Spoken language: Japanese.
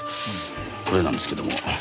これなんですけども。